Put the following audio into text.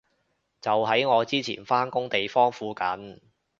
就喺我之前返工地方附近